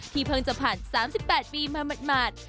ที่เพิ่งจะผ่าน๓๘ปีมาหมดหมาด